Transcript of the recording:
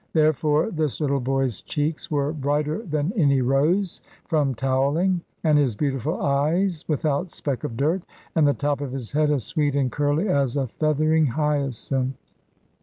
Therefore this little boy's cheeks were brighter than any rose, from towelling; and his beautiful eyes without speck of dirt; and the top of his head as sweet and curly as a feathering hyacinth.